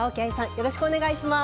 よろしくお願いします。